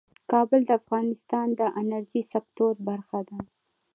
کابل د افغانستان د انرژۍ سکتور برخه ده.